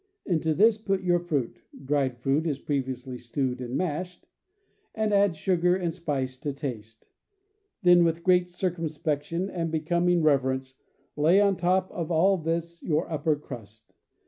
Into this put your fruit (dried fruit is previously stewed and mashed) , and add sugar and spice to taste. Then, with great circumspection and becoming reverence, lay on top of all this your upper crust.